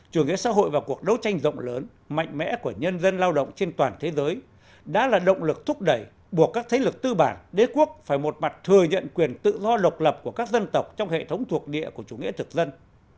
chủ nghĩa xã hội và cuộc đấu tranh rộng lớn mạnh mẽ của nhân dân lao động trên toàn thế giới đã là động lực thúc đẩy buộc các thế lực tư bản đế quốc phải một mặt thừa nhận quyền tự do độc lập của các dân tộc trong hệ thống thuộc địa của chủ nghĩa thực dân